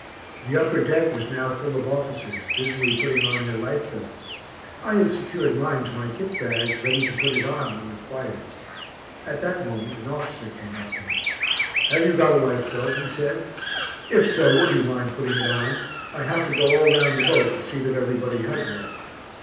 The upper deck was now full of officers, busily putting on their life belts I had secured mine to my kit bag, ready to put it on when required. At that moment an officer came up to me. "Have you a life belt?" he said, "if so would you mind putting it on? I have to go all round the boat and see that everybody has one."